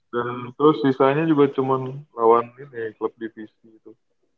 dan terus sisanya juga cuma lawan ini club divisi gitu